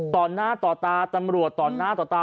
ต่อหน้าต่อตาตำรวจต่อหน้าต่อตา